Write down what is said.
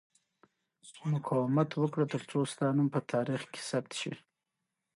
مقاومت وکړه ترڅو ستا نوم په تاریخ کې ثبت شي.